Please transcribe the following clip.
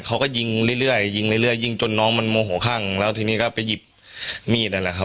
เขาก็ยิงเรื่อยยิงเรื่อยยิงจนน้องมันโมโหข้างแล้วทีนี้ก็ไปหยิบมีดนั่นแหละครับ